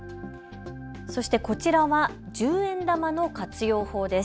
そして、こちらは十円玉の活用法です。